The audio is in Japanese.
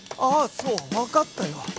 あそうわかったよ